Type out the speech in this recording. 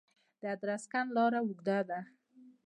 د ادرسکن لاره اوږده ده